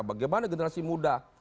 bagaimana generasi muda